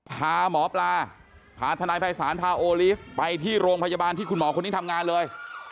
พาหมอปลาพาทนายภัยศาลพาโอลีฟไปที่โรงพยาบาลที่คุณหมอคนนี้ทำงานเลย